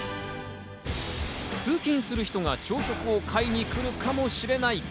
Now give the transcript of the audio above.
通勤する人が朝食を買いに来るかもしれない。